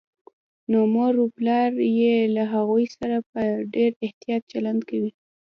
نو مور و پلار يې له هغوی سره په ډېر احتياط چلند کوي